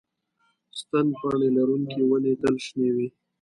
ستن پاڼې لرونکې ونې تل شنې وي